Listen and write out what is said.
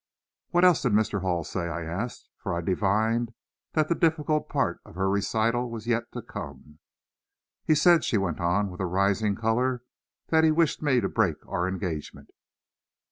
"What else did Mr. Hall say?" I asked, for I divined that the difficult part of her recital was yet to come. "He said," she went on, with a rising color, "that he wished me to break our engagement."